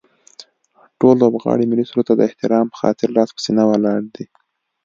ټول لوبغاړي ملي سرود ته د احترام به خاطر لاس په سینه ولاړ دي